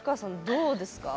どうですか？